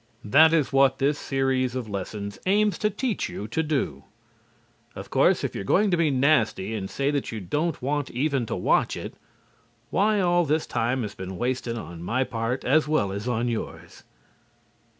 That is what this series of lessons aims to teach you to do, (of course, if you are going to be nasty and say that you don't want even to watch it, why all this time has been, wasted on my part as well as on yours).